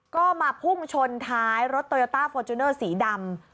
ก็มาพุ่งชนท้ายรถโตโยต้าฟอร์จูเนอร์สีดำ